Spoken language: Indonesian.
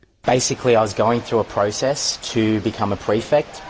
sebenarnya saya telah melalui proses untuk menjadi prefek